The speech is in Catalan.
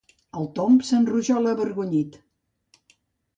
El Tom s'enrojola, avergonyit.